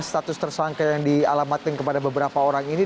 status tersangka yang dialamatkan kepada beberapa orang ini